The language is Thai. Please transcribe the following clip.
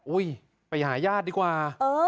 ุ้ยไปหายาศดีกว่า